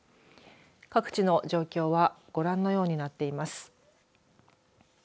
各地の状況はご覧のようになっています。